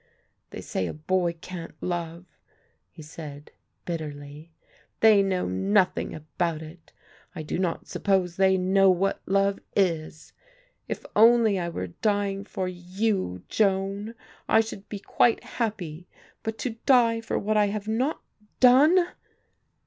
They say a boy can't love," he said bitterly; "they know nothing about it; I do not suppose they know what love is. If only I were dying for you, Joan, I should be quite happy, but to die for what I have not done...!"